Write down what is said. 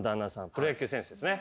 プロ野球選手ですね。